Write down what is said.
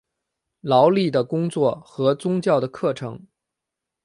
劳力的工作和宗教的课程。